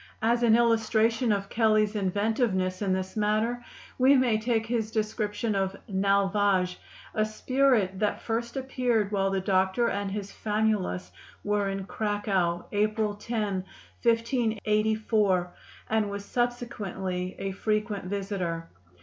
As an illustration of Kelley's inventiveness in this matter, we may take his description of "Nalvage," a spirit that first appeared while the doctor and his famulus were in Cracow, April 10, 1584, and was subsequently a frequent visitor.